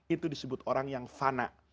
itu disebut orang yang fana